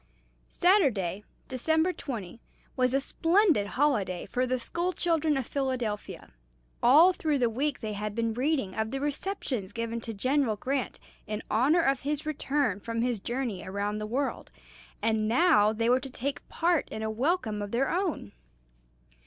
Saturday, December 20, was a splendid holiday for the school children of Philadelphia. All through the week they had been reading of the receptions given to General Grant in honor of his return from his journey around the world, and now they were to take part in a welcome of their own.